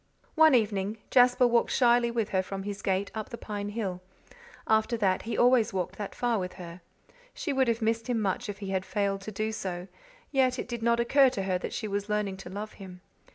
One evening Jasper walked shyly with her from his gate up the pine hill. After that he always walked that far with her. She would have missed him much if he had failed to do so; yet it did not occur to her that she was learning to love him.